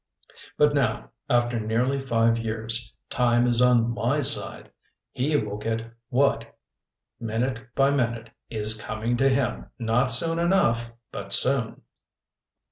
But now, after nearly five years, time is on my side. He will get what, minute by minute, is coming to him not soon enough, but soon.